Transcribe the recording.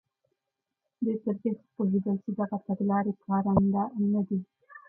دوی پر دې ښه پوهېدل چې دغه تګلارې کارنده نه دي.